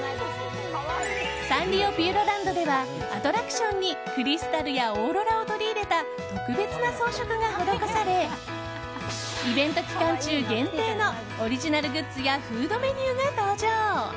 サンリオピューロランドではアトラクションにクリスタルやオーロラを取り入れた特別な装飾が施されイベント期間中限定のオリジナルグッズやフードメニューが登場。